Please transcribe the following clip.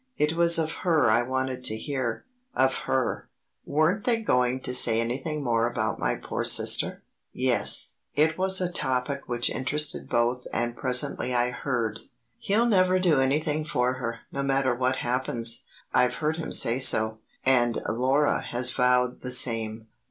It was of her I wanted to hear, of her. Weren't they going to say anything more about my poor sister? Yes; it was a topic which interested both and presently I heard: "He'll never do anything for her, no matter what happens; I've heard him say so. And Laura has vowed the same."